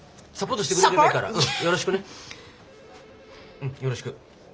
うんよろしくね。